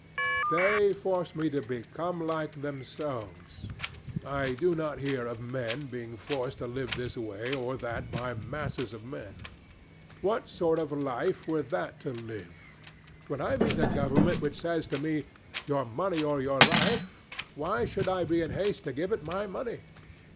They force me to become like themselves. I do not hear of men being forced to live this way or that by masses of men. What sort of life were that to live? When I meet a government which says to me, "Your money or your life," why should I be in haste to give it my money?